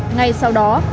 ngay sau đó